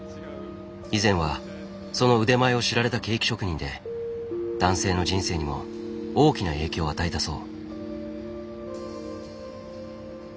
以前はその腕前を知られたケーキ職人で男性の人生にも大きな影響を与えたそう。